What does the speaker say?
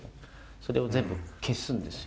それを全部消すんですよ。